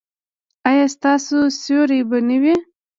ایا ستاسو سیوری به نه وي؟